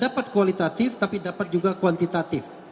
dapat kualitatif tapi dapat juga kuantitatif